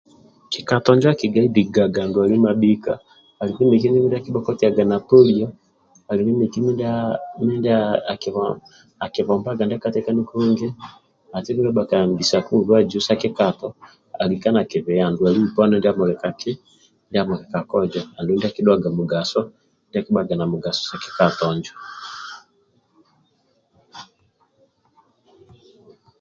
Kikato injo aki gaidinganga ndwali mabhika aliku mindia akibhokotiaga na polio aliku mindia mindia aki akibombaga ndia katekani kulungi ati bhakambisaku mubazi sa kikato alika nakimbia ndwali uponi ndia amuli kaki ndia amuli ka kozo andulu ndia akibhaga mugaso ndia akibhaga mugaso sa kikato injo